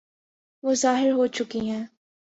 وہ ظاہر ہو چکی ہیں۔